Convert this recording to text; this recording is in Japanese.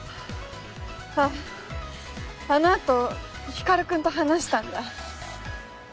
ああの後光君と話したんだ。